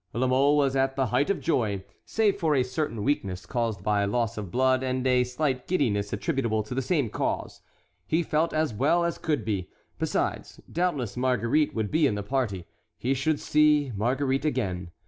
La Mole was at the height of joy. Save for a certain weakness caused by loss of blood and a slight giddiness attributable to the same cause, he felt as well as could be. Besides, doubtless Marguerite would be in the party; he should see Marguerite again.